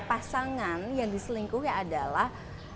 pasangan yang diselingkuhi adalah